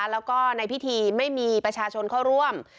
แล้วก็ในพิธีไม่มีประชาชนเข้าร่วม